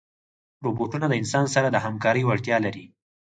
روبوټونه د انسان سره د همکارۍ وړتیا لري.